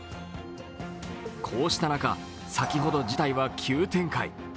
こうした中、先ほど事態は急展開。